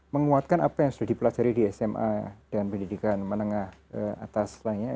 menguatkan apa yang sudah dipelajari di sma dan pendidikan menengah atas lainnya